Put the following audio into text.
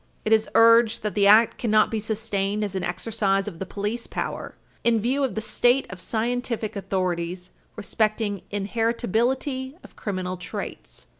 It is urged that the Act cannot be sustained as an exercise of the police power, in view Page 316 U. S. 538 of the state of scientific authorities respecting inheritability of criminal traits.